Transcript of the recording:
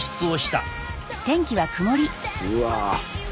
うわ。